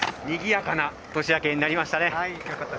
にぎやかな年明けになりましたね。